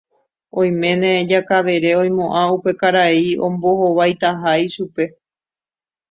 oiméne Jakavere oimo'ã upe karai ombohovaitaha ichupe.